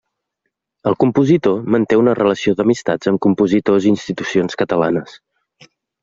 El compositor manté una relació d'amistat amb compositors i institucions catalanes.